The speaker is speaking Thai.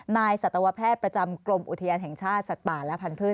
สัตวแพทย์ประจำกรมอุทยานแห่งชาติสัตว์ป่าและพันธุ์